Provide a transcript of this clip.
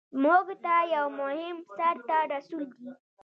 مونږ ته یو مهم سر ته رسول دي.